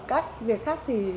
cách việc khác thì